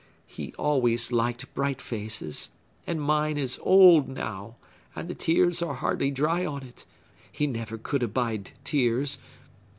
He always liked bright faces! And mine is old now, and the tears are hardly dry on it. He never could abide tears.